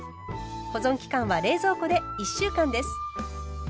保存期間は冷蔵庫で１週間です。